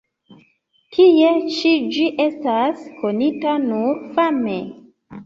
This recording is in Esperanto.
Tie ĉi ĝi estas konita nur fame.